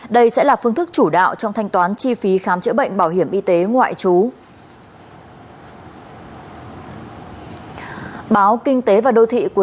đây sẽ là phương thức chủ đạo trong thanh toán chi phí khám chữa bệnh bảo hiểm y tế ngoại trú